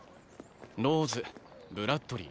ローズブラッドリィ